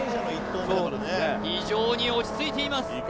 非常に落ち着いています